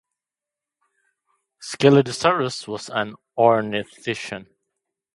"Scelidosaurus" was an ornithischian.